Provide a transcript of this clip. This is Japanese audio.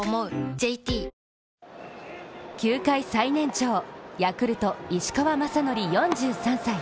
ＪＴ球界最年長、ヤクルト・石川雅規４３歳。